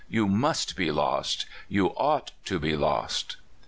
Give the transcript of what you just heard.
you must be lost! you ought to be lost!"